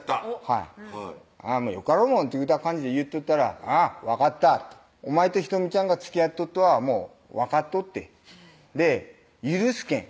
はい「よかろうもん」というた感じで言っとったら「あぁ分かったお前と仁美ちゃんがつきあっとっとはもう分かっとって許すけん」